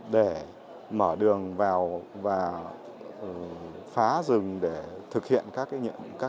để mở đường vào và phá rừng để thực hiện các nhiệm vụ